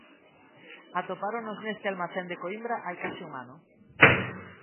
Atopáronos neste almacén de Coímbra hai case un ano.